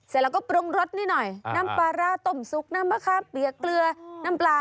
เสร็จแล้วก็ปรุงรสนิดหน่อยน้ำปลาร้าต้มซุปน้ำมะขามเปียกเกลือน้ำปลา